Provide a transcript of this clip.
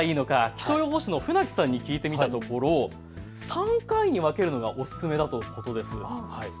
気象予報士の船木さんに聞いてみたところ３回に分けるのがお勧めだとのことです。